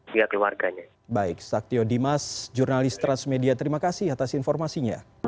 pihak keluarganya baik saktio dimas jurnalis transmedia terima kasih atas informasinya